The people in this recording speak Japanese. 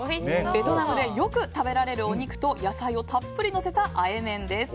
ベトナムでよく食べられるお肉と野菜をたっぷりのせたあえ麺です。